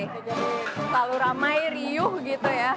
jadi selalu ramai riuh gitu ya